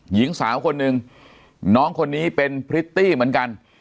หญิงสาวคนหนึ่งน้องคนนี้เป็นพริตตี้เหมือนกัน